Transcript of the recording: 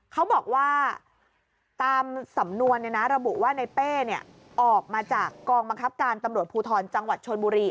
เขาบอกว่าตามสำนวนระบุว่าในเป้ออกมาจากกองบังคับการตำรวจภูทรจังหวัดชนบุรี